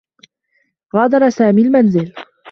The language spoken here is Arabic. غادر سامي المنزل.